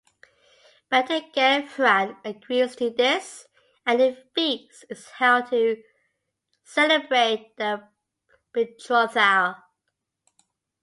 Bendigeidfran agrees to this, and a feast is held to celebrate the betrothal.